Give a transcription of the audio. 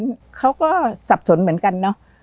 แล้วเขาก็สับสนเหมือนกันนะ